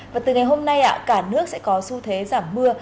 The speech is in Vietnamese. và từ ngày hôm nay cả nước sẽ có xu thế giảm mưa